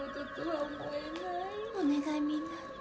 お願いみんな。